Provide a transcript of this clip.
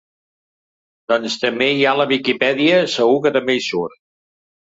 Doncs també hi ha la Viquipèdia, segur que també hi surt.